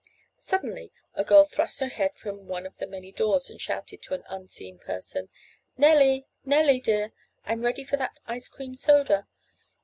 Suddenly a girl thrust her head from one of the many doors and shouted to an unseen person: "Nellie! Nellie, dear! I'm ready for that ice cream soda.